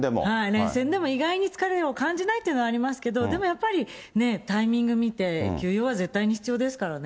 連戦でも意外に疲れを感じないというのはありますけど、でもやっぱり、ね、タイミング見て、休養は絶対に必要ですからね。